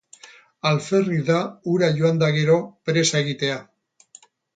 Alferrik da ura joanda gero presa egitea.